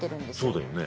そうだよね。